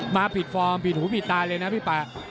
มาผิดฟอร์มผิดหูผิดตาเลยนะพี่ป่า